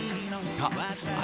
あ